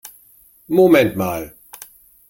Moment mal!